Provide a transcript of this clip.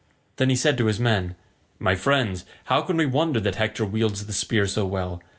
Then he said to his men, "My friends, how can we wonder that Hector wields the spear so well?